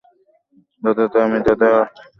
দাদা, আমি দাদা, আমি কলেজে যেতে চাই না।